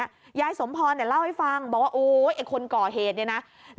ยายสมพรเนี่ยเล่าให้ฟังบอกว่าโอ๊ยไอ้คนก่อเหตุเนี่ยนะ